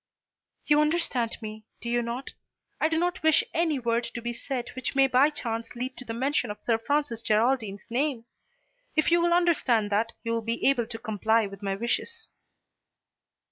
"You understand me, do you not? I do not wish any word to be said which may by chance lead to the mention of Sir Francis Geraldine's name. If you will understand that, you will be able to comply with my wishes."